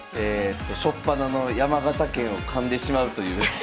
初っぱなの「山形県」をかんでしまうという。